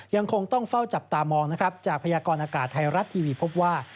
ยังคงต้องเฝ้าจับตามองนะครับจากพยากรอากาศไทยรัฐทีวีพบว่า